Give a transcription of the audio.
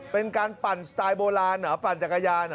เป็นการปั่นสไตล์โบราณเหรอปั่นจักรยาน